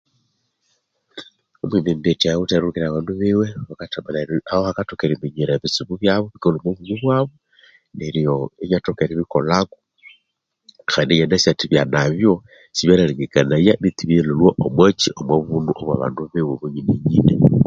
Omwembembetya awithe erihulikirira abandu biwe hakathokera aho hakathokera eriminyira ebitsibo byabo erilhwa oma buno bwabu, neryo inathoka eribikolhako kandi inanasi athi byanabyo isibyalyalengekanaya betu ibyalyalhwa omwa buno obwa bandu biwe bonyinenyine.